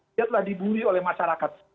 dia telah dibuli oleh masyarakat